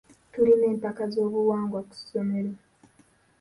Tulina empaka z'obuwangwa ku ssomero.